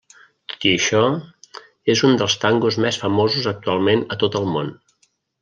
Tot i això, és un dels tangos més famosos actualment a tot el món.